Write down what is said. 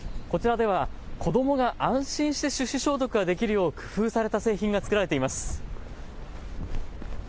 こちらでは子どもが安心して手指消毒ができるよう工夫された製品が作られています。